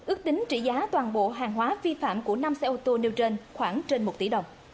ước tính trị giá toàn bộ hàng hóa vi phạm của năm xe ô tô nêu trên khoảng trên một tỷ đồng